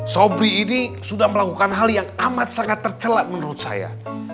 sobri ini sudah melakukan hal yang amat sangat tercelap menurut saya